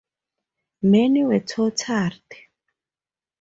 Many were tortured.